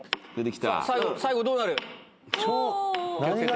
最後どうなる。